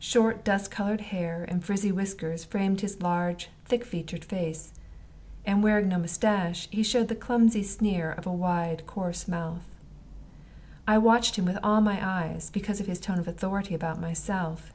Short dust colored hair and frizzly whiskers framed his large, thick featured face, and wearing no mustache, he showed the clumsy sneer of a wide, coarse mouth. I watched him with all my eyes, because of his tone of authority about myself.